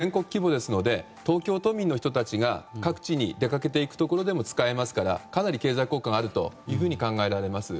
今回、全国規模ですので東京都民の人たちが各地に出かけていくところでも使えますからかなり経済効果があると考えられます。